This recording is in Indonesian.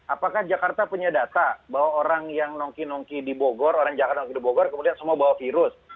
apakah jakarta punya data bahwa orang yang nongki nongki di bogor orang jakarta nongki di bogor kemudian semua bawa virus